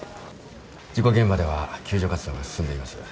事故現場では救助活動が進んでいます。